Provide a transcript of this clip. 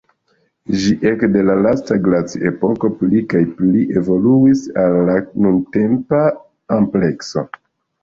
Ĝi ekde la lasta glaciepoko pli kaj pli evoluis al la nuntempa amplekso.